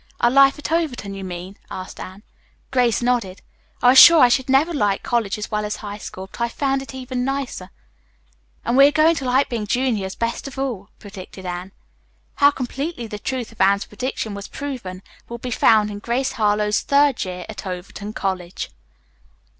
"Our life at Overton, you mean?" asked Anne. Grace nodded. "I was sure I should never like college as well as high school, but I've found it even nicer." "And we are going to like being juniors best of all," predicted Anne. How completely the truth of Anne's prediction was proven will be found in "Grace Harlowe's Third Year at Overton College."